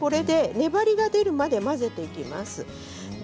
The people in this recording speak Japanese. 粘りが出るまで混ぜていきます。